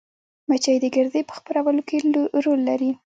مچۍ د ګردې په خپرولو کې رول لري